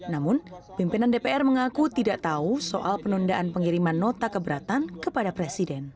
namun pimpinan dpr mengaku tidak tahu soal penundaan pengiriman nota keberatan kepada presiden